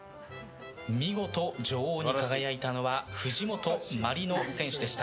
見事女王に輝いたのは藤本万梨乃選手でした。